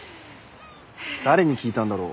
誰に聞いたんだろう。